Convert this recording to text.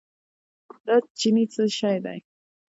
دارچینی څه شی دی؟